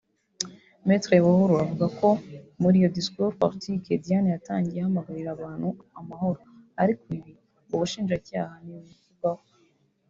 Me Buhuru avuga ko muri iyo ‘discours politique ‘Diane yatangiye ahamagarira abantu amahoro ariko ibi ngo Ubushinjacyaha ntibubivugaho